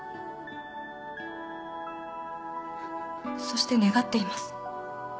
そして願っています。